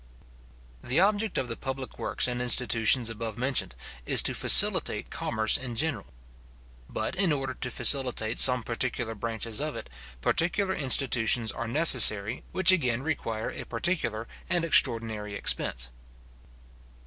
The object of the public works and institutions above mentioned, is to facilitate commerce in general. But in order to facilitate some particular branches of it, particular institutions are necessary, which again require a particular and extraordinary expense.